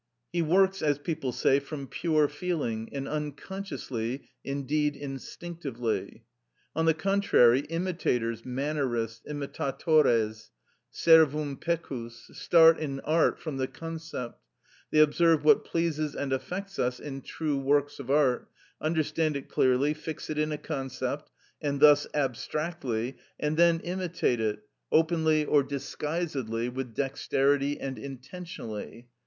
He works, as people say, from pure feeling, and unconsciously, indeed instinctively. On the contrary, imitators, mannerists, imitatores, servum pecus, start, in art, from the concept; they observe what pleases and affects us in true works of art; understand it clearly, fix it in a concept, and thus abstractly, and then imitate it, openly or disguisedly, with dexterity and intentionally.